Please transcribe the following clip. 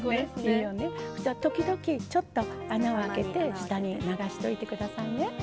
時々ちょっと穴を開けて下に流しといて下さいね。